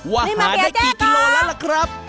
ว่าหาได้กี่กิโลแล้วล่ะครับ